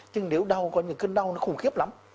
nhưng nếu đau coi như cơn đau nó khủng khiếp lắm